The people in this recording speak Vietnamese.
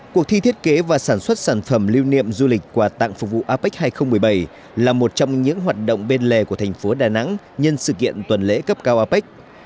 cuộc thi thiết kế và sản xuất sản phẩm lưu niệm du lịch quà tặng phục vụ apec hai nghìn một mươi bảy là một trong những hoạt động bên lề của thành phố đà nẵng nhân sự kiện tuần lễ cấp cao apec